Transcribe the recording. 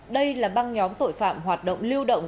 đây là băng nhóm tội phạm hoạt động lưu động